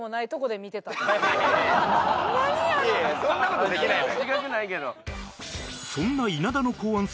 そんな事できないのよ。